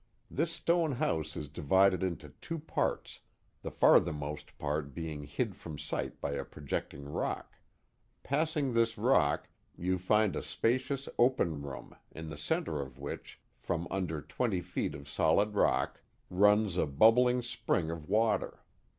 This stone house is divided into two parts, the farthermost part being hid from sight by a projecting rock. Passing this rock you find a spacious open room, in the centre of which, from under twenty feet of solid rock, runs a bubbling spring of water.